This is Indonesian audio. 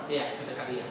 iya ke depan dia